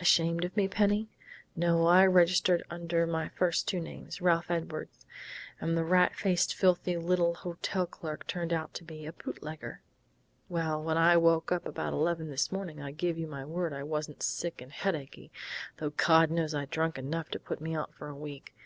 "Ashamed of me, Penny?... No, I registered under my first two names Ralph Edwards. And the rat faced, filthy little hotel clerk turned out to be a bootlegger.... Well, when I woke up about eleven this morning I give you my word I wasn't sick and headachy, though God knows I'd drunk enough to put me out for a week....